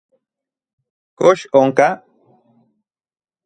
¿Kox onka?